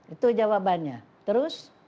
itu jawabannya terus